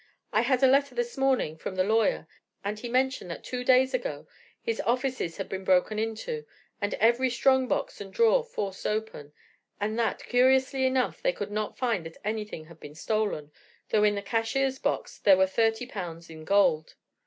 I had a letter this morning from the lawyer, and he mentioned that two days ago his offices had been broken into, and every strong box and drawer forced open, but that, curiously enough, they could not find that anything had been stolen, though in the cashier's box there were 30 pounds in gold.